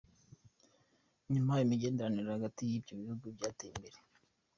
Mu nyuma imigenderanire hagati y'ivyo bihugu yarateye imbere.